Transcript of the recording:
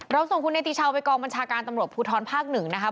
ส่งคุณเนติชาวไปกองบัญชาการตำรวจภูทรภาคหนึ่งนะครับ